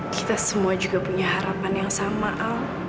kita semua juga punya harapan yang sama al